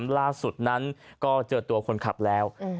ล่าสุดนั้นก็เจอตัวคนขับแล้ว